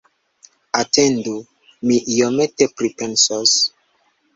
Atendu, mi iomete pripensos!